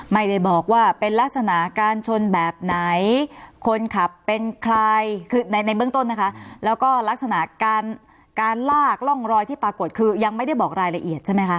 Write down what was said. ไม่ได้บอกว่าเป็นลักษณะการชนแบบไหนคนขับเป็นใครคือในในเบื้องต้นนะคะแล้วก็ลักษณะการการลากร่องรอยที่ปรากฏคือยังไม่ได้บอกรายละเอียดใช่ไหมคะ